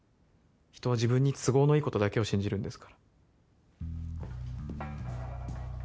人は自分に都合のいいことだけを信じるんですから。